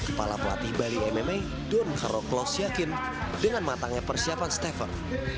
kepala pelatih bali mma don carlos yakin dengan matangnya persiapan stephen